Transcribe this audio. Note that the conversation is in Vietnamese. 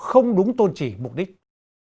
không đúng tôn trì mục đích